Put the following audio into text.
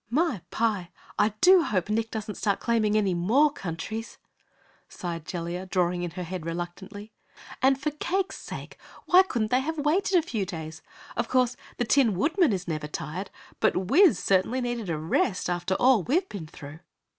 "My pie! I do hope Nick doesn't start claiming any more countries," sighed Jellia, drawing in her head reluctantly. "And for cake's sake why couldn't they have waited a few days? Of course the Tin Woodman is never tired, but Wiz certainly needed a rest after all we've been through!"